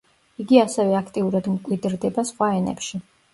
იგი ასევე აქტიურად მკვიდრდება სხვა ენებში.